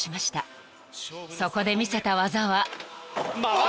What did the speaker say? ［そこで見せた技は］